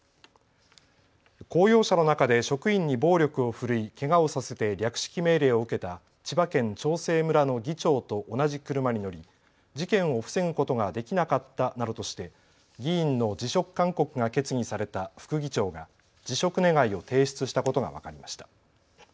公用車の中で職員に暴力を振るいけがをさせて略式命令を受けた千葉県長生村の議長と同じ車に乗り、事件を防ぐことができなかったなどとして議員の辞職勧告が決議された副議長が辞職願を提出したことが分かりました。